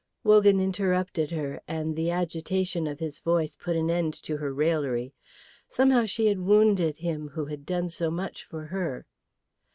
Wogan interrupted her, and the agitation of his voice put an end to her raillery. Somehow she had wounded him who had done so much for her.